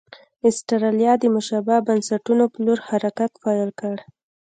اسټرالیا د مشابه بنسټونو په لور حرکت پیل کړ.